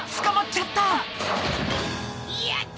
やった！